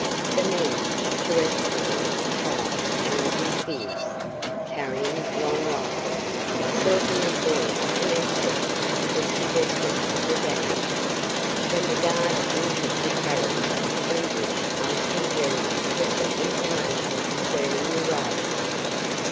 The men, picturesquely attired and looking fierce, carrying long rifles, certainly bore an aspect that suggested the brigand. When the guard entered the carriage Anguish asked in German for some information concerning the riders.